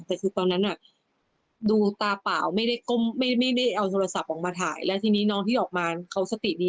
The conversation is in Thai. แต่คือตอนนั้นดูตาเปล่าไม่ได้ก้มไม่ได้เอาโทรศัพท์ออกมาถ่ายแล้วทีนี้น้องที่ออกมาเขาสติดี